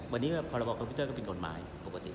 วันนี้พรบคอมพิวเตอร์ก็เป็นกฎหมายปกติ